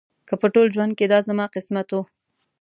که په ټول ژوند کې دا زما قسمت و.